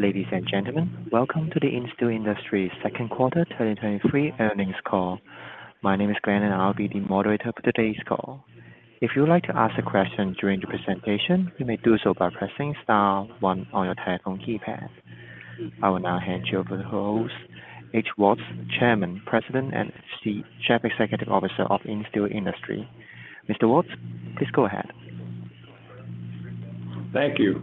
Ladies and gentlemen, welcome to the Insteel Industries second quarter 2023 earnings call. My name is Glenn, and I'll be the moderator for today's call. If you would like to ask a question during the presentation, you may do so by pressing star one on your telephone keypad. I will now hand you over to H. O. Woltz III, Chairman, President, and Chief Executive Officer of Insteel Industries. Mr. Woltz, please go ahead. Thank you.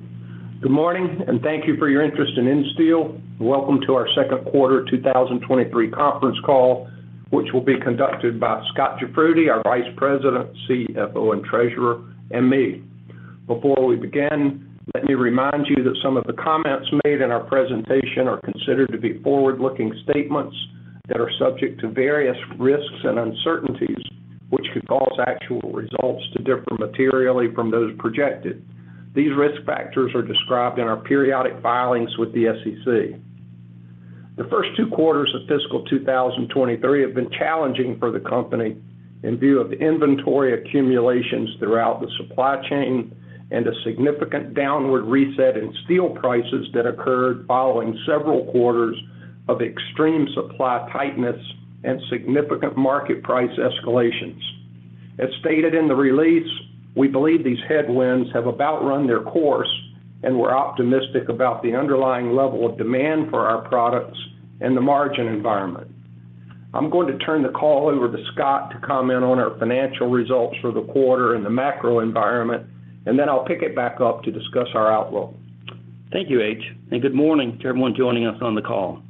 Good morning, and thank you for your interest in Insteel. Welcome to our second quarter 2023 conference call, which will be conducted by Scot Jafroodi, our Vice President, CFO, and Treasurer, and me. Before we begin, let me remind you that some of the comments made in our presentation are considered to be forward-looking statements that are subject to various risks and uncertainties, which could cause actual results to differ materially from those projected. These risk factors are described in our periodic filings with the SEC. The first two quarters of fiscal 2023 have been challenging for the company in view of the inventory accumulations throughout the supply chain and a significant downward reset in steel prices that occurred following several quarters of extreme supply tightness and significant market price escalations. As stated in the release, we believe these headwinds have about run their course, and we're optimistic about the underlying level of demand for our products and the margin environment. I'm going to turn the call over to Scot to comment on our financial results for the quarter and the macro environment, and then I'll pick it back up to discuss our outlook. Thank you, H. Good morning to everyone joining us on the call.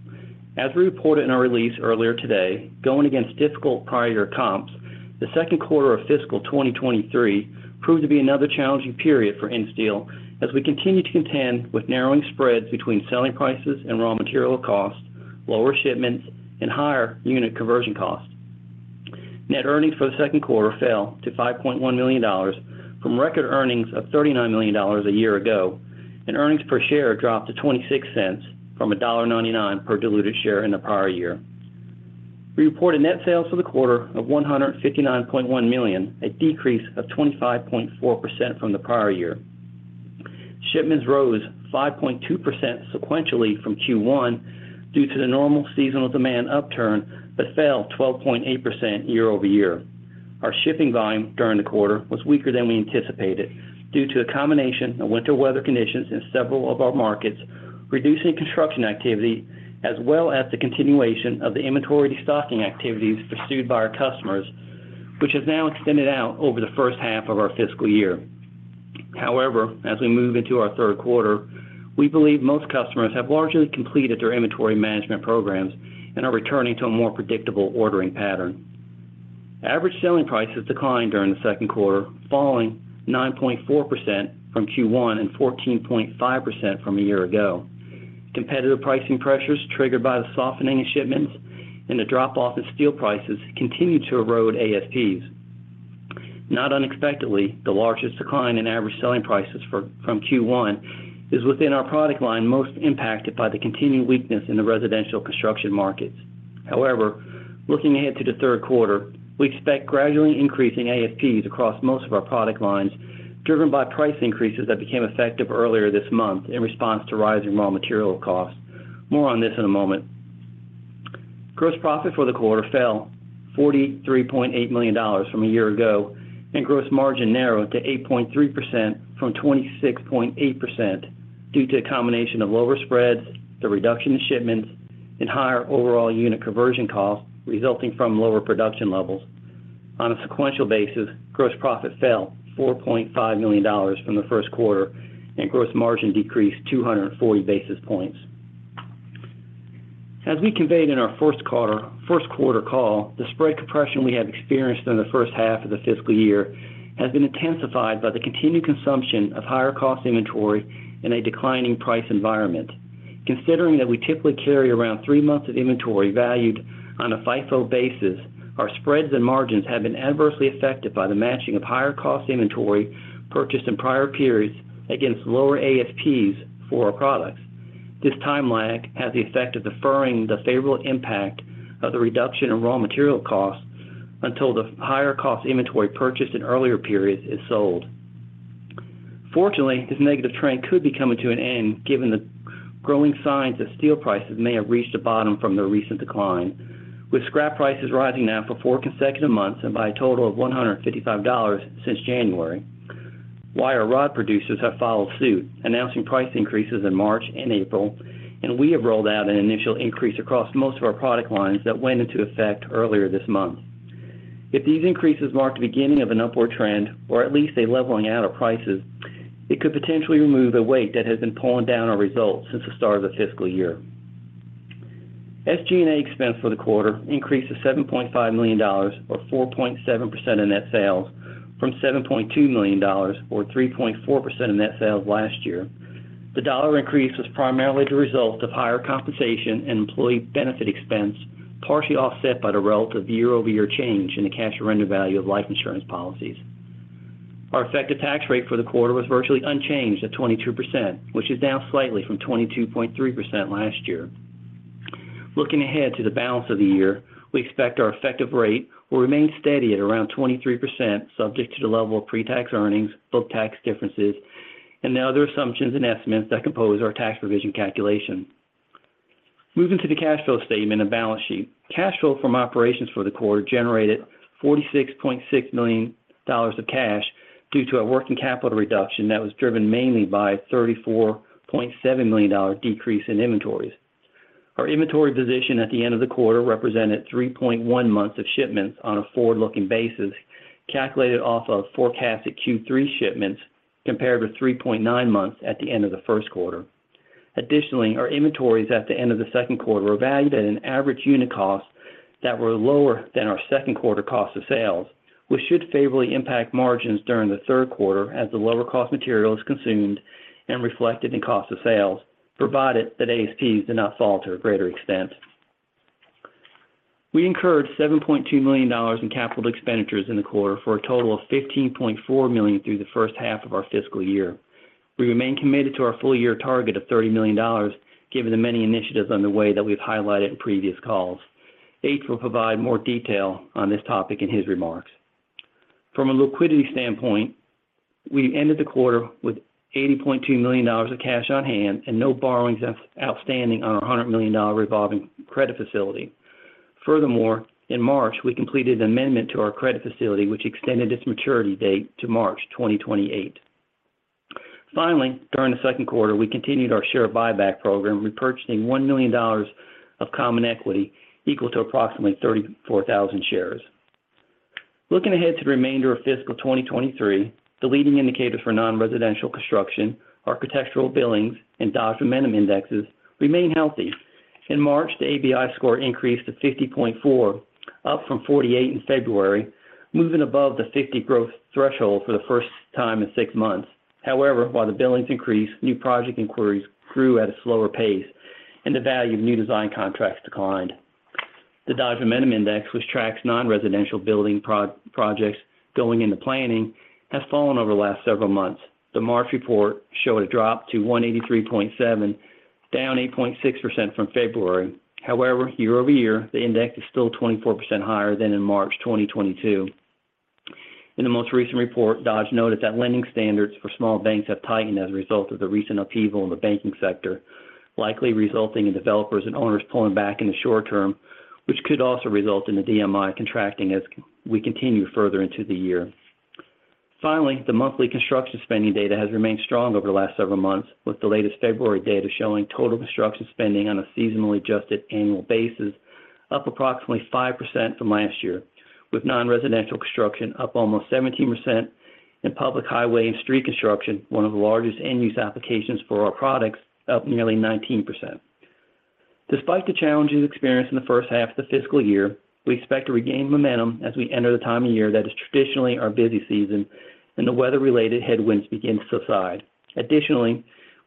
As we reported in our release earlier today, going against difficult prior comps, the second quarter of fiscal 2023 proved to be another challenging period for Insteel as we continue to contend with narrowing spreads between selling prices and raw material costs, lower shipments, and higher unit conversion costs. Net earnings for the second quarter fell to $5.1 million from record earnings of $39 million a year ago, and earnings per share dropped to $0.26 from $1.99 per diluted share in the prior year. We reported net sales for the quarter of $159.1 million, a decrease of 25.4% from the prior year. Shipments rose 5.2% sequentially from Q1 due to the normal seasonal demand upturn but fell 12.8% year-over-year. Our shipping volume during the quarter was weaker than we anticipated due to a combination of winter weather conditions in several of our markets, reducing construction activity, as well as the continuation of the inventory destocking activities pursued by our customers, which has now extended out over the first half of our fiscal year. However, as we move into our third quarter, we believe most customers have largely completed their inventory management programs and are returning to a more predictable ordering pattern. Average selling prices declined during the second quarter, falling 9.4% from Q1 and 14.5% from a year ago. Competitive pricing pressures triggered by the softening of shipments and the drop-off in steel prices continued to erode ASPs. Not unexpectedly, the largest decline in average selling prices for, from Q1 is within our product line most impacted by the continuing weakness in the residential construction markets. Looking ahead to the third quarter, we expect gradually increasing ASPs across most of our product lines, driven by price increases that became effective earlier this month in response to rising raw material costs. More on this in a moment. Gross profit for the quarter fell $43.8 million from a year ago, and gross margin narrowed to 8.3% from 26.8% due to a combination of lower spreads, the reduction in shipments, and higher overall unit conversion costs resulting from lower production levels. On a sequential basis, gross profit fell $4.5 million from the first quarter, and gross margin decreased 240 basis points. As we conveyed in our first quarter call, the spread compression we have experienced in the first half of the fiscal year has been intensified by the continued consumption of higher cost inventory in a declining price environment. Considering that we typically carry around 3 months of inventory valued on a FIFO basis, our spreads and margins have been adversely affected by the matching of higher cost inventory purchased in prior periods against lower ASPs for our products. This time lag has the effect of deferring the favorable impact of the reduction in raw material costs until the higher cost inventory purchased in earlier periods is sold. Fortunately, this negative trend could be coming to an end given the growing signs that steel prices may have reached a bottom from the recent decline, with scrap prices rising now for four consecutive months and by a total of $155 since January. Wire rod producers have followed suit, announcing price increases in March and April. We have rolled out an initial increase across most of our product lines that went into effect earlier this month. If these increases mark the beginning of an upward trend, or at least a leveling out of prices, it could potentially remove the weight that has been pulling down our results since the start of the fiscal year. SG&A expense for the quarter increased to $7.5 million or 4.7% of net sales from $7.2 million or 3.4% of net sales last year. The dollar increase was primarily the result of higher compensation and employee benefit expense, partially offset by the relative year-over-year change in the cash surrender value of life insurance policies. Our effective tax rate for the quarter was virtually unchanged at 22%, which is down slightly from 22.3% last year. Looking ahead to the balance of the year, we expect our effective rate will remain steady at around 23% subject to the level of pre-tax earnings, book tax differences, and the other assumptions and estimates that compose our tax provision calculation. Moving to the cash flow statement and balance sheet. Cash flow from operations for the quarter generated $46.6 million of cash due to a working capital reduction that was driven mainly by a $34.7 million decrease in inventories. Our inventory position at the end of the quarter represented 3.1 months of shipments on a forward-looking basis, calculated off of forecasted Q3 shipments compared with 3.9 months at the end of the first quarter. Our inventories at the end of the second quarter were valued at an average unit cost that were lower than our second quarter cost of sales. We should favorably impact margins during the third quarter as the lower cost material is consumed and reflected in cost of sales, provided that ASPs do not fall to a greater extent. We incurred $7.2 million in capital expenditures in the quarter for a total of $15.4 million through the first half of our fiscal year. We remain committed to our full year target of $30 million given the many initiatives underway that we've highlighted in previous calls. H will provide more detail on this topic in his remarks. From a liquidity standpoint, we ended the quarter with $80.2 million of cash-on-hand and no borrowings outstanding on our $100 million revolving credit facility. Furthermore, in March, we completed an amendment to our credit facility, which extended its maturity date to March 2028. Finally, during the second quarter, we continued our share buyback program, repurchasing $1 million of common equity equal to approximately 34,000 shares. Looking ahead to the remainder of fiscal 2023, the leading indicators for non-residential construction, architectural billings, and Dodge Momentum Index remain healthy. In March, the ABI score increased to 50.4, up from 48 in February, moving above the 50 growth threshold for the first time in 6 months. While the billings increased, new project inquiries grew at a slower pace, and the value of new design contracts declined. The Dodge Momentum Index, which tracks non-residential building projects going into planning, has fallen over the last several months. The March report showed a drop to 183.7, down 8.6% from February. Year-over-year, the index is still 24% higher than in March 2022. In the most recent report, Dodge noted that lending standards for small banks have tightened as a result of the recent upheaval in the banking sector, likely resulting in developers and owners pulling back in the short term, which could also result in the DMI contracting as we continue further into the year. Finally, the monthly construction spending data has remained strong over the last several months, with the latest February data showing total construction spending on a seasonally adjusted annual basis up approximately 5% from last year, with nonresidential construction up almost 17% and public highway and street construction, one of the largest end-use applications for our products, up nearly 19%. Despite the challenges experienced in the first half of the fiscal year, we expect to regain momentum as we enter the time of year that is traditionally our busy season and the weather-related headwinds begin to subside.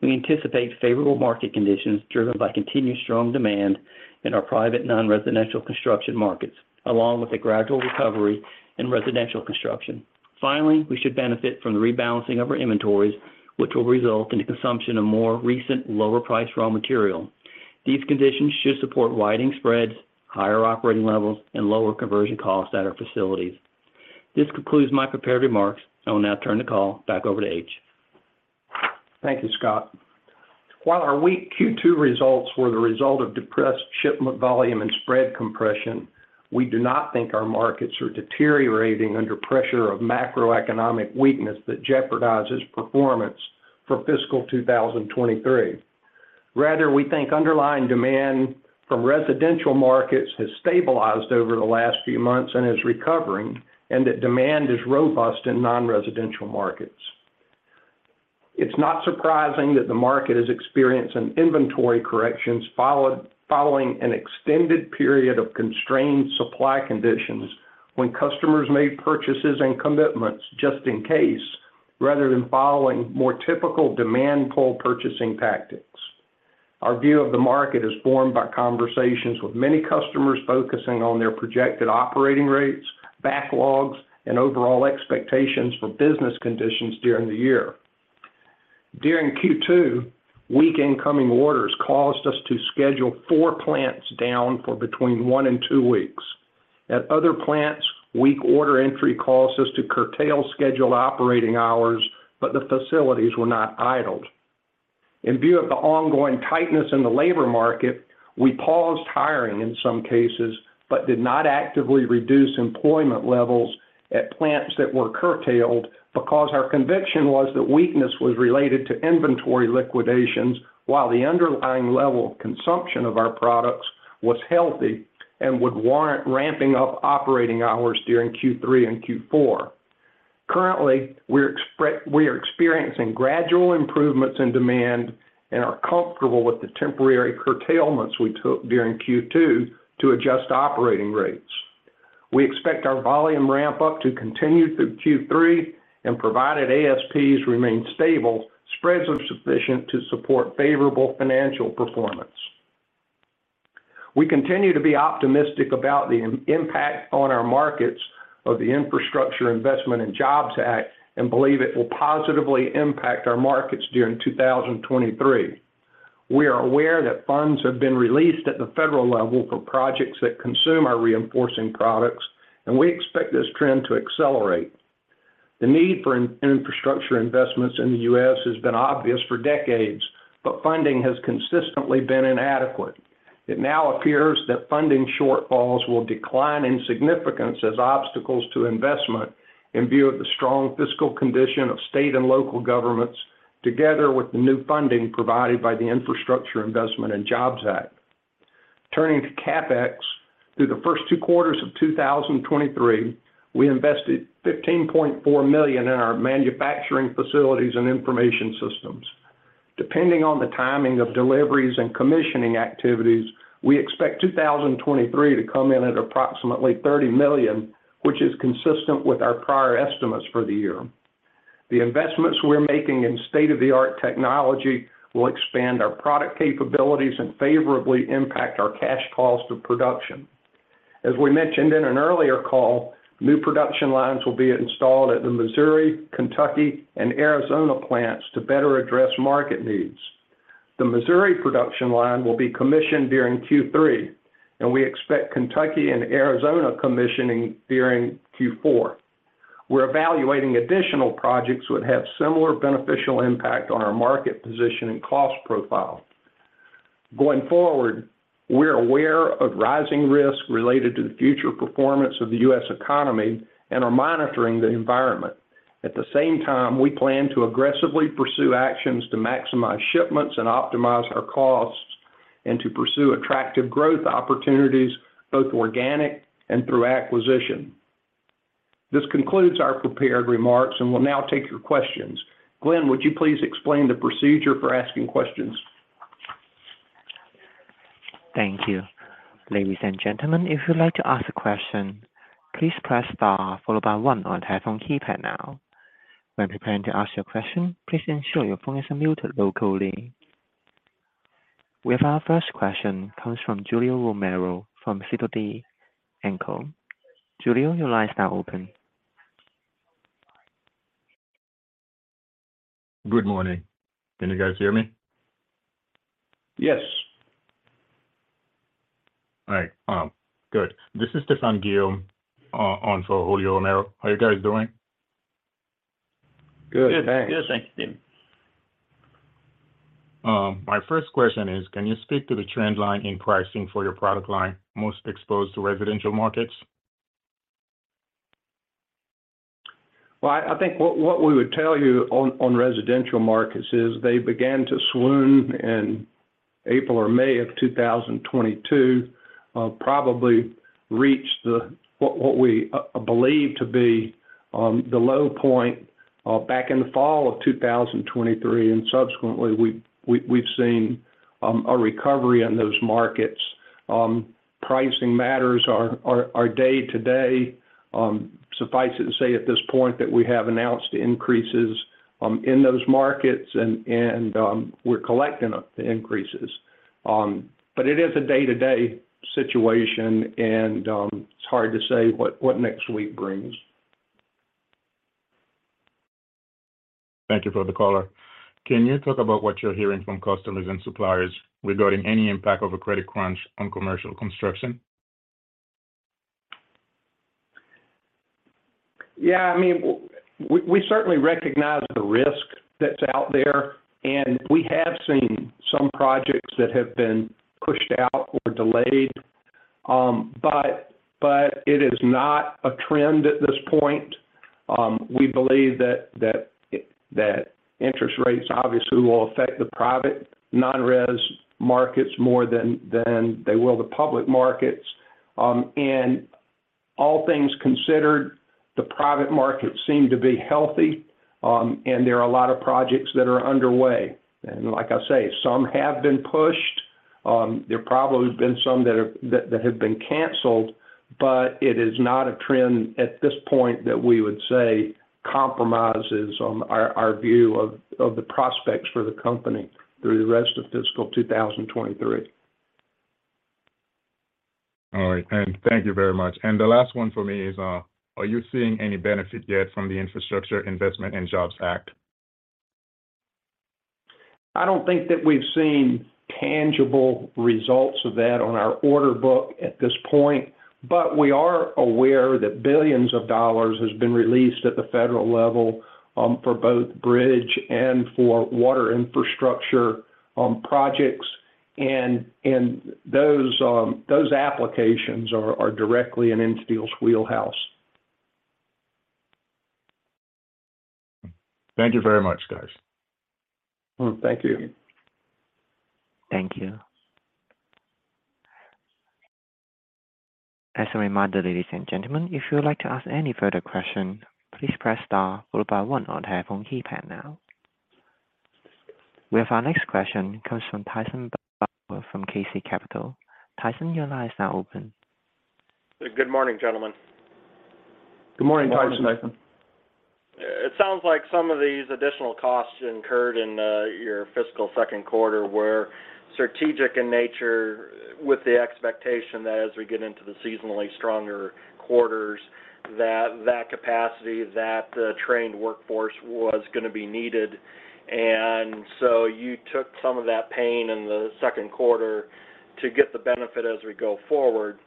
We anticipate favorable market conditions driven by continued strong demand in our private non-residential construction markets, along with a gradual recovery in residential construction. We should benefit from the rebalancing of our inventories, which will result in the consumption of more recent lower priced raw material. These conditions should support widening spreads, higher operating levels, and lower conversion costs at our facilities. This concludes my prepared remarks. I will now turn the call back over to H. Thank you, Scot. While our weak Q2 results were the result of depressed shipment volume and spread compression, we do not think our markets are deteriorating under pressure of macroeconomic weakness that jeopardizes performance for fiscal 2023. Rather, we think underlying demand from residential markets has stabilized over the last few months and is recovering, and that demand is robust in non-residential markets. It's not surprising that the market is experiencing inventory corrections following an extended period of constrained supply conditions when customers made purchases and commitments just in case, rather than following more typical demand pull purchasing tactics. Our view of the market is formed by conversations with many customers focusing on their projected operating rates, backlogs, and overall expectations for business conditions during the year. During Q2, weak incoming orders caused us to schedule four plants down for between one and two weeks. At other plants, weak order entry caused us to curtail scheduled operating hours. The facilities were not idled. In view of the ongoing tightness in the labor market, we paused hiring in some cases, but did not actively reduce employment levels at plants that were curtailed because our conviction was that weakness was related to inventory liquidations while the underlying level of consumption of our products was healthy and would warrant ramping up operating hours during Q3 and Q4. Currently, we are experiencing gradual improvements in demand and are comfortable with the temporary curtailments we took during Q2 to adjust operating rates. We expect our volume ramp up to continue through Q3. Provided ASPs remain stable, spreads are sufficient to support favorable financial performance. We continue to be optimistic about the impact on our markets of the Infrastructure Investment and Jobs Act and believe it will positively impact our markets during 2023. We are aware that funds have been released at the federal level for projects that consume our reinforcing products, and we expect this trend to accelerate. The need for infrastructure investments in the U.S. has been obvious for decades, but funding has consistently been inadequate. It now appears that funding shortfalls will decline in significance as obstacles to investment in view of the strong fiscal condition of state and local governments, together with the new funding provided by the Infrastructure Investment and Jobs Act. Turning to CapEx. Through the first 2 quarters of 2023, we invested $15.4 million in our manufacturing facilities and information systems. Depending on the timing of deliveries and commissioning activities, we expect 2023 to come in at approximately $30 million, which is consistent with our prior estimates for the year. The investments we're making in state-of-the-art technology will expand our product capabilities and favorably impact our cash cost of production. As we mentioned in an earlier call, new production lines will be installed at the Missouri, Kentucky, and Arizona plants to better address market needs. The Missouri production line will be commissioned during Q3, and we expect Kentucky and Arizona commissioning during Q4. We're evaluating additional projects which have similar beneficial impact on our market position and cost profile. Going forward, we're aware of rising risks related to the future performance of the U.S. economy and are monitoring the environment. At the same time, we plan to aggressively pursue actions to maximize shipments and optimize our costs and to pursue attractive growth opportunities, both organic and through acquisition. This concludes our prepared remarks, and we'll now take your questions. Glenn, would you please explain the procedure for asking questions? Thank you. Ladies and gentlemen, if you'd like to ask a question, please press star followed by one on your telephone keypad now. When preparing to ask your question, please ensure your phone is muted locally. We have our first question comes from Julio Romero from Sidoti & Company. Julio, your line is now open. Good morning. Can you guys hear me? Yes. All right. good. This is Stephane Guillaume on for Julio Romero. How are you guys doing? Good, thanks. Good. Good. Thank you, Stephane. my first question is, can you speak to the trend line in pricing for your product line most exposed to residential markets? Well, I think what we would tell you on residential markets is they began to swoon in April or May of 2022. probably reached what we believe to be the low point back in the fall of 2023. Subsequently, we've seen a recovery on those markets. Pricing matters are day-to-day. Suffice it to say at this point that we have announced increases in those markets and we're collecting the increases. It is a day-to-day situation and it's hard to say what next week brings. Thank you. Further caller. Can you talk about what you're hearing from customers and suppliers regarding any impact of a credit crunch on commercial construction? Yeah, I mean, we certainly recognize the risk that's out there, and we have seen some projects that have been pushed out or delayed. But it is not a trend at this point. We believe that interest rates obviously will affect the private non-res markets more than they will the public markets. All things considered, the private markets seem to be healthy, and there are a lot of projects that are underway. Like I say, some have been pushed. There probably have been some that have been canceled, but it is not a trend at this point that we would say compromises on our view of the prospects for the company through the rest of fiscal 2023. All right. Thank you very much. The last one for me is, are you seeing any benefit yet from the Infrastructure Investment and Jobs Act? I don't think that we've seen tangible results of that on our order book at this point, but we are aware that billions of dollars has been released at the federal level, for both bridge and for water infrastructure, projects. Those applications are directly in Insteel's wheelhouse. Thank you very much, guys. Thank you. Thank you. As a reminder, ladies and gentlemen, if you would like to ask any further question, please press star followed by one on your phone keypad now. We have our next question comes from Tyson Bauer from KC Capital Associates. Tyson, your line is now open. Good morning, gentlemen. Good morning, Tyson. It sounds like some of these additional costs incurred in your fiscal second quarter were strategic in nature with the expectation that as we get into the seasonally stronger quarters that that capacity, that trained workforce was gonna be needed, and so you took some of that pain in the second quarter to get the benefit as we go forward.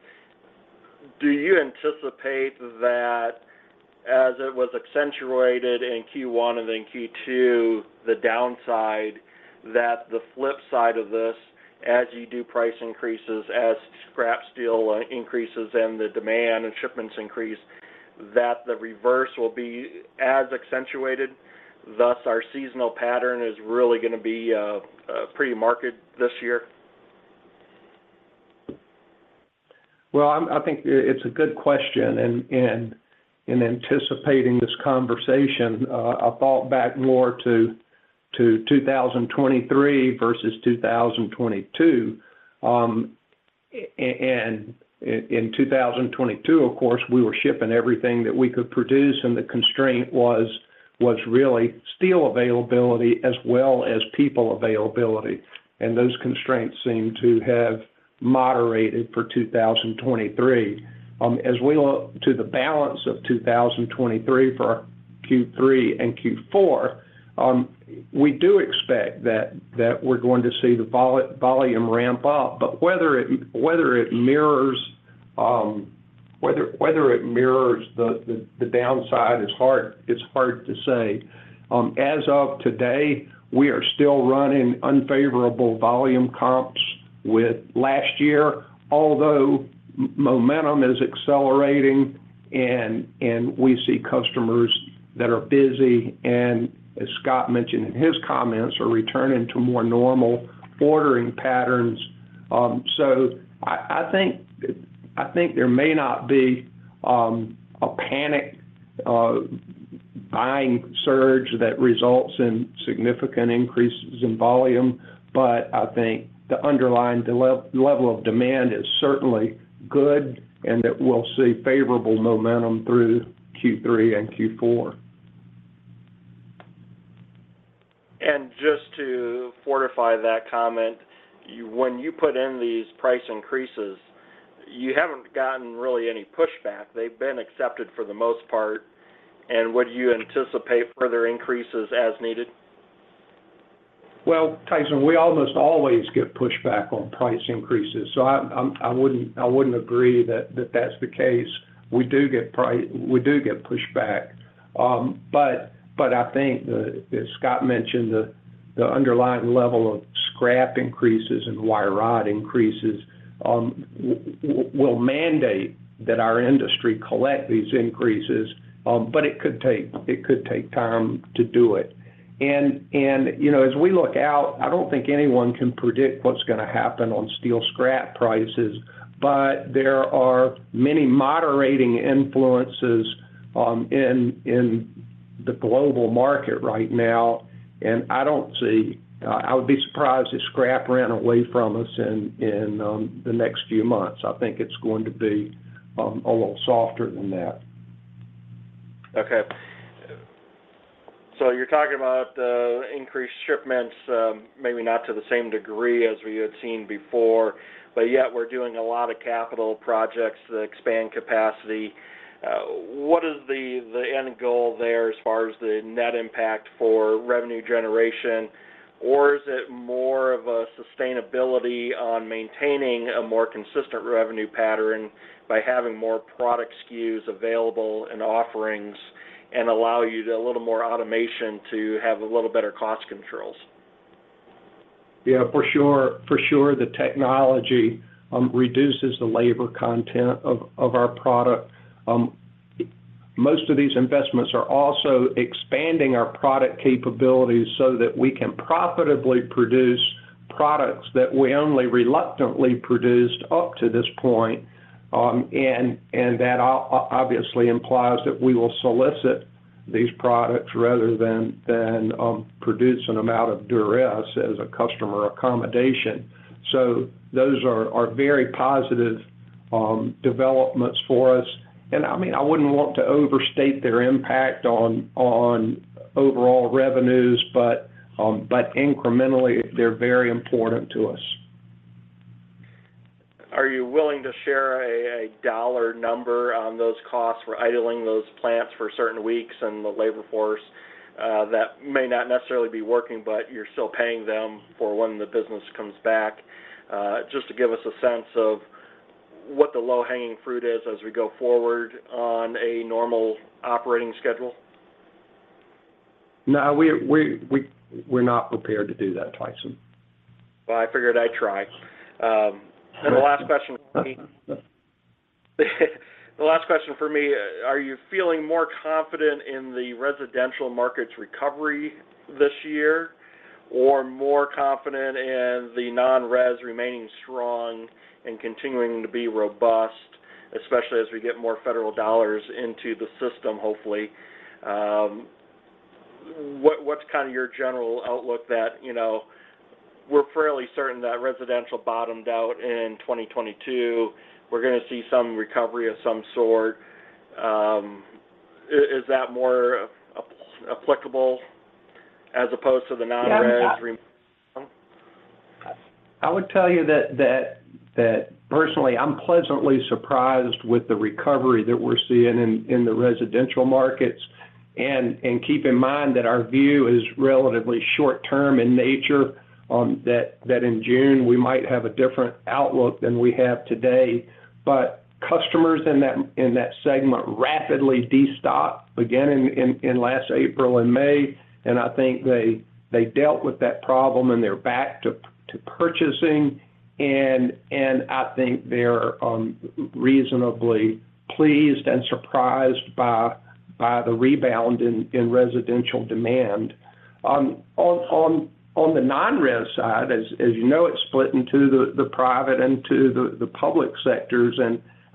Do you anticipate that as it was accentuated in Q1 and then Q2, the downside that the flip side of this, as you do price increases, as scrap steel increases and the demand and shipments increase, that the reverse will be as accentuated, thus our seasonal pattern is really gonna be pretty market this year? Well, I think it's a good question and in anticipating this conversation, I thought back more to 2023 versus 2022, and in 2022 of course, we were shipping everything that we could produce, and the constraint was really steel availability as well as people availability, and those constraints seem to have moderated for 2023. As we look to the balance of 2023 for Q3 and Q4, we do expect that we're going to see the volume ramp up. Whether it mirrors, whether it mirrors the downside is hard, it's hard to say. As of today, we are still running unfavorable volume comps with last year, although momentum is accelerating and we see customers that are busy and, as Scot mentioned in his comments, are returning to more normal ordering patterns. I think there may not be a panic buying surge that results in significant increases in volume, but I think the underlying level of demand is certainly good and that we'll see favorable momentum through Q3 and Q4. Just to fortify that comment, when you put in these price increases, you haven't gotten really any pushback. They've been accepted for the most part, and would you anticipate further increases as needed? Well, Tyson, we almost always get pushback on price increases. I wouldn't agree that that's the case. We do get pushback. But I think, as Scot mentioned, the underlying level of scrap increases and wire rod increases will mandate that our industry collect these increases, but it could take time to do it. You know, as we look out, I don't think anyone can predict what's gonna happen on steel scrap prices, but there are many moderating influences in the global market right now, and I don't see... I would be surprised if scrap ran away from us in the next few months. I think it's going to be a little softer than that. Okay. You're talking about increased shipments, maybe not to the same degree as we had seen before, but yet we're doing a lot of capital projects to expand capacity. What is the end goal there as far as the net impact for revenue generation? Is it more of a sustainability on maintaining a more consistent revenue pattern by having more product SKUs available and offerings and allow you to a little more automation to have a little better cost controls? Yeah, for sure. For sure the technology reduces the labor content of our product. Most of these investments are also expanding our product capabilities so that we can profitably produce products that we only reluctantly produced up to this point, and that obviously implies that we will solicit these products rather than produce an amount of duress as a customer accommodation. Those are very positive developments for us. I mean, I wouldn't want to overstate their impact on overall revenues, but incrementally they're very important to us. Are you willing to share a dollar number on those costs for idling those plants for certain weeks and the labor force that may not necessarily be working, but you're still paying them for when the business comes back? Just to give us a sense of what the low-hanging fruit is as we go forward on a normal operating schedule. No, we're not prepared to do that, Tyson. Well, I figured I'd try. The last question for me, are you feeling more confident in the residential market's recovery this year, or more confident in the non-res remaining strong and continuing to be robust, especially as we get more federal dollars into the system, hopefully? What's kind of your general outlook that, you know, we're fairly certain that residential bottomed out in 2022. We're gonna see some recovery of some sort. Is that more applicable as opposed to the non-res? Yeah, I'm. Oh. I would tell you that personally, I'm pleasantly surprised with the recovery that we're seeing in the residential markets. Keep in mind that our view is relatively short-term in nature, that in June we might have a different outlook than we have today. Customers in that segment rapidly destocked again in last April and May, I think they dealt with that problem and they're back to purchasing. I think they're reasonably pleased and surprised by the rebound in residential demand. On the non-res side, as you know, it's split into the private and to the public sectors.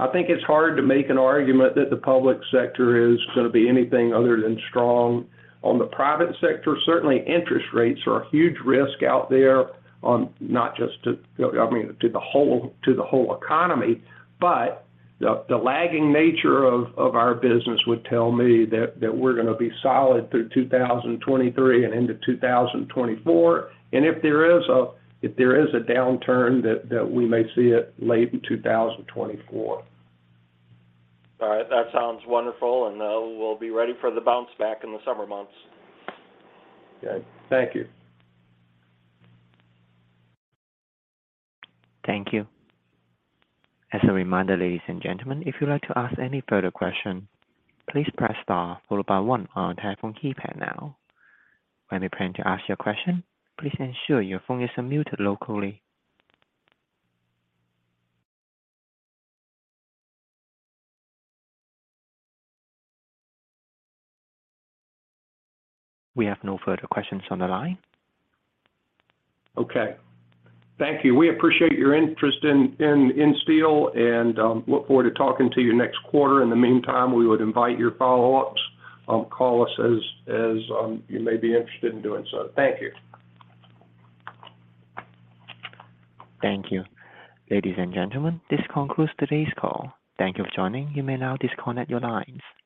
I think it's hard to make an argument that the public sector is gonna be anything other than strong. On the private sector, certainly interest rates are a huge risk out there, I mean, to the whole economy. The lagging nature of our business would tell me that we're gonna be solid through 2023 and into 2024. If there is a downturn that we may see it late in 2024. All right. That sounds wonderful. We'll be ready for the bounce back in the summer months. Good. Thank you. Thank you. As a reminder, ladies and gentlemen, if you'd like to ask any further question, please press star followed by one on your telephone keypad now. When preparing to ask your question, please ensure your phone is unmuted locally. We have no further questions on the line. Okay. Thank you. We appreciate your interest in Insteel and look forward to talking to you next quarter. In the meantime, we would invite your follow-ups. Call us as you may be interested in doing so. Thank you. Thank you. Ladies and gentlemen, this concludes today's call. Thank you for joining. You may now disconnect your lines.